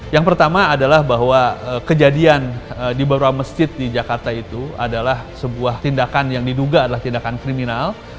yang pertama adalah bahwa kejadian di beberapa masjid di jakarta itu adalah sebuah tindakan yang diduga adalah tindakan kriminal